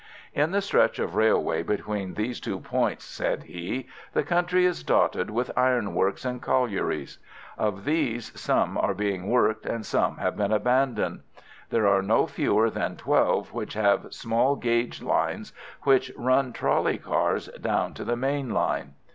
"In the stretch of railway between these two points," said he, "the country is dotted with ironworks and collieries. Of these, some are being worked and some have been abandoned. There are no fewer than twelve which have small gauge lines which run trolly cars down to the main line.